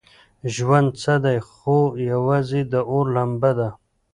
ژوند څه دی خو یوازې د اور لمبه ده.